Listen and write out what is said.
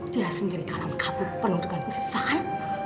dia sendiri kalah mengkabut penudukan khususan